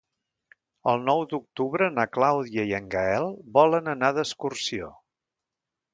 El nou d'octubre na Clàudia i en Gaël volen anar d'excursió.